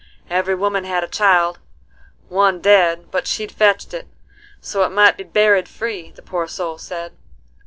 Every woman had a child, one dead, but she'd fetched it, 'so it might be buried free,' the poor soul said."